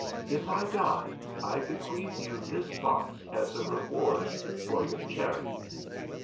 If I die I Bequeath you this box as a reward for your charity."